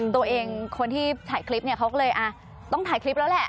ตัวเองคนที่ถ่ายคลิปเนี่ยเขาก็เลยต้องถ่ายคลิปแล้วแหละ